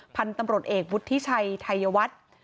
พันธุ์ตำรวจเอกวุฒิชัยไทยวัฒน์